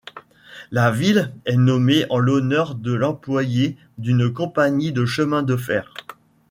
La ville est nommée en l'honneur de l'employé d'une compagnie de chemin de fer.